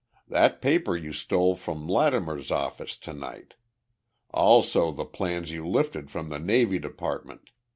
"That paper you stole from Lattimer's office to night. Also the plans you lifted from the Navy Department.